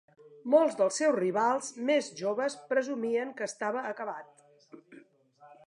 Molts dels seus rivals més joves presumien que estava acabat.